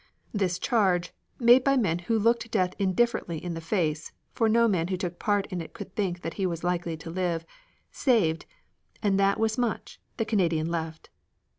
This charge, made by men who looked death indifferently in the face (for no man who took part in it could think that he was likely to live) saved, and that was much, the Canadian left.